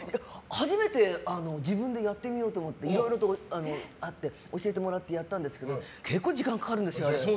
初めて自分でやってみようと思っていろいろとあって教えてもらってやったんですけど結構時間かかるんですよ、あれ。